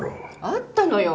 あったのよ。